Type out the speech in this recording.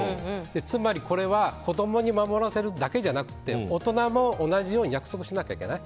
つまりこれは子供に守らせるだけじゃなくて大人も同じように約束しなきゃいけない。